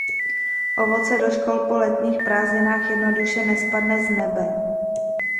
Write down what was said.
Ovoce do škol po letních prázdninách jednoduše nespadne z nebe.